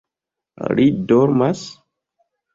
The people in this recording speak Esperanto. Li dormas?